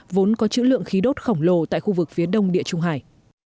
vốn có chữ lượng khí đốt khổng lồ tại khu vực phía đông địa trung hải